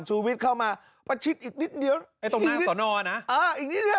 ชูวิทย์เข้ามาประชิดอีกนิดเดียวไอ้ตรงหน้าสอนอนะเอออีกนิดเดียว